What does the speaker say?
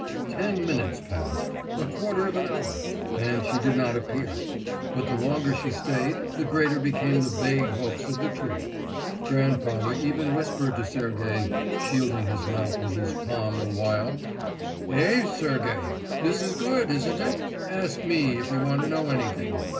Ten minutes passed, a quarter of an hour, and she did not appear, but the longer she stayed the greater became the vague hopes of the troupe. Grandfather even whispered to Sergey, shielding his mouth with his palm the while: "Eh, Sergey, this is good, isn't it? Ask me if you want to know anything.